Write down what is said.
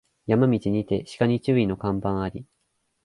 山道にて鹿に注意の看板あり